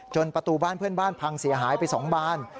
ประตูบ้านเพื่อนบ้านพังเสียหายไป๒บาน